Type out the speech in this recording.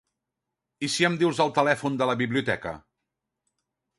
I si em dius el telèfon de la biblioteca?